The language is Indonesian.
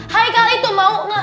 haikal itu mau ngga